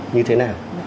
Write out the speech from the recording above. như thế nào